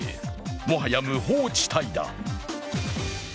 もはや無法地帯だ。